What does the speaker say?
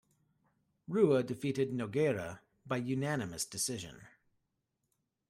Rua defeated Nogueira by unanimous decision.